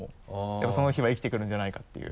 やっぱその日は生きてくるんじゃないかっていう。